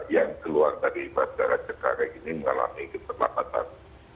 yang keluar dari bandara jekarek ini mengalami keterlapatan